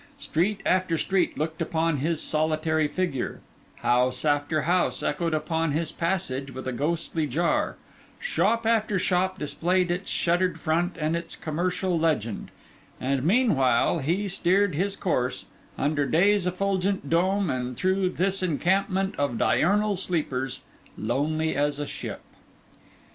Street after street looked down upon his solitary figure, house after house echoed upon his passage with a ghostly jar, shop after shop displayed its shuttered front and its commercial legend; and meanwhile he steered his course, under day's effulgent dome and through this encampment of diurnal sleepers, lonely as a ship.